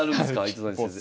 糸谷先生。